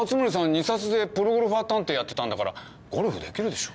２サスでプロゴルファー探偵やってたんだからゴルフできるでしょ？